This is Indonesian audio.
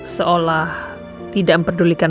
seolah tidak memperdulikan